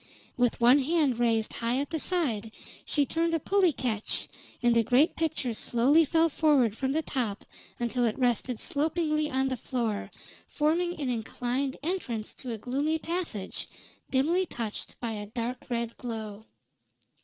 With one hand raised high at the side, she turned a pulley catch, and the great picture slowly fell forward from the top until it rested slopingly on the floor, forming an inclined entrance to a gloomy passage, dimly touched by a dark red glow.